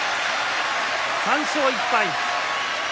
３勝１敗。